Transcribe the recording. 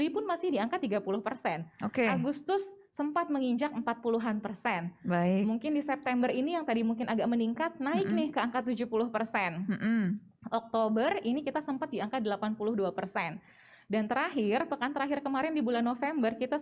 sembilan puluh persen dari target who sebenarnya